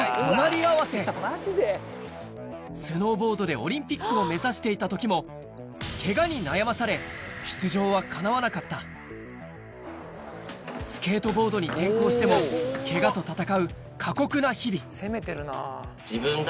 スノーボードでオリンピックを目指していた時もケガに悩まされ出場はかなわなかったスケートボードに転向しても攻めてるな。